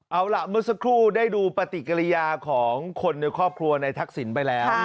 เอาล่ะเมื่อสักครู่ได้ดูปฏิกิริยาของคนในครอบครัวในทักษิณไปแล้ว